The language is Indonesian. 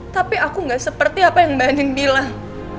tapi aku gak seperti apa yang mbak aning bilang